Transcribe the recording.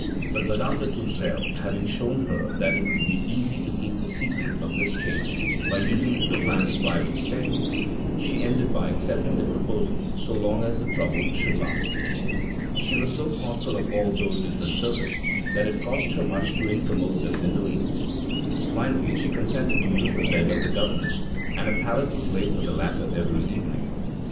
But Madame de Tourzel having shown her that it would be easy to keep the secret of this change by using the Dauphin's private staircase, she ended by accepting the proposal so long as the trouble should last. She was so thoughtful of all those in her service that it cost her much to incommode them in the least. Finally, she consented to use the bed of the governess, and a pallet was laid for the latter every evening.